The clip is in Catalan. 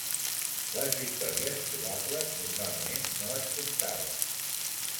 Les victòries probables normalment no es comptaven.